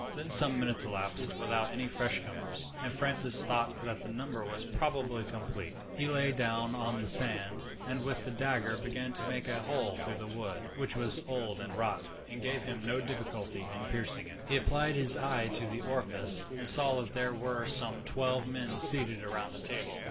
Then some minutes elapsed without any fresh comers, and Francis thought that the number was probably complete. He lay down on the sand, and with his dagger began to make a hole through the wood, which was old and rotten, and gave him no difficulty in piercing it. He applied his eye to the orifice, and saw that there were some twelve men seated round a table.